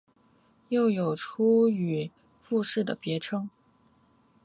又有出羽富士的别称。